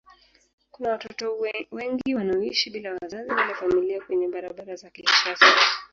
Kuna watoto wengi wanaoishi bila wazazi wala familia kwenye barabara za Kinshasa.